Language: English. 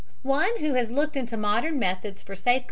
One who has looked into modern methods for safeguarding {illust.